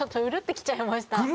うるってきちゃいました。